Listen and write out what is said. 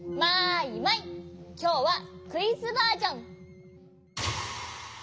きょうはクイズバージョン。